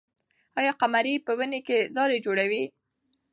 آیا قمري په ونې کې ځالۍ جوړوي؟